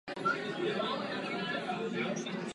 Dolní listen je často delší než celé květenství.